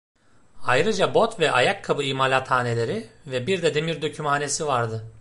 Ayrıca bot ve ayakkabı imalathaneleri ve bir de demir dökümhanesi vardı.